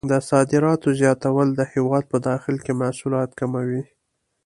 د صادراتو زیاتول د هېواد په داخل کې محصولات کموي.